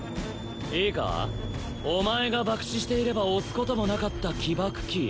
いいかお前が爆死していれば押すこともなかった起爆キー